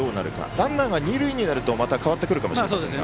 ランナーが二塁になると変わってくるかもしれません。